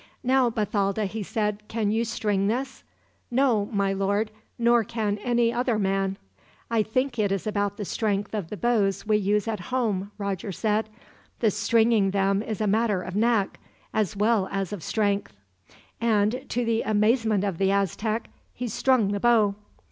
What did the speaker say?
"Now, Bathalda," he said, "can you string this?" "No, my lord; nor can any other man." "I think it is about the strength of the bows we use at home," Roger said. "The stringing them is a matter of knack, as well as of strength." And, to the amazement of the Aztec, he strung the bow.